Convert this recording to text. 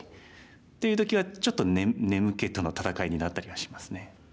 っていう時はちょっと眠気との戦いになったりはしますね。